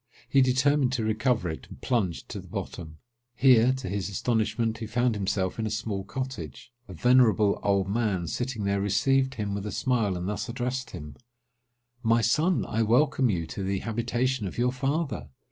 He determined to recover it, and plunged to the bottom. Here, to his astonishment, he found himself in a small cottage. A venerable old man, sitting there, received him with a smile, and thus addressed him:—"My son, I welcome you to the habitation of your father!